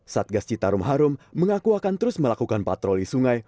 satgas citarum harum mengaku akan terus melakukan patroli sungai